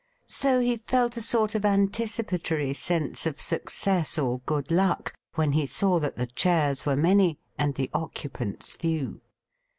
So he felt a sort of anticipatory sense oi MR. MARMADUKE COFFIN 71 success or good luck when he saw that the chairs were many and the occupants few.